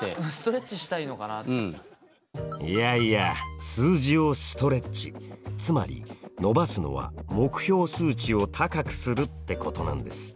いやいや数字をストレッチつまり伸ばすのは目標数値を高くするってことなんです。